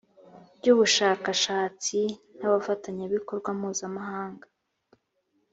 byu ubushakashatsi n abafatanyabikorwa mpuzamahanga